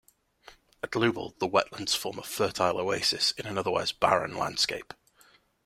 At Loubbal the wetlands form a fertile oasis in an otherwise barren landschape.